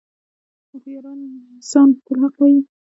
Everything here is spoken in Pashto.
• هوښیار انسان تل حق وایی.